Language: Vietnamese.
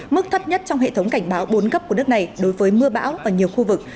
mức thấp nhất trong hệ thống cảnh báo bốn cấp của nước này đối với mưa bão ở nhiều khu vực